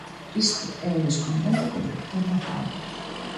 Isto e o descontento co director da fábrica.